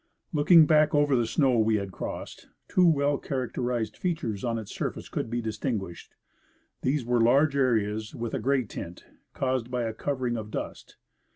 Looking back over the snow we had crossed, two well characterized features on its surface could be distinguished : these were large areas with a gray tint, caused by a covering of dust.